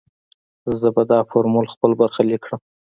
زه به دا فورمول خپل برخليک کړم.